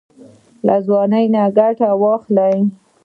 له ځوانۍ ګټه واخلئ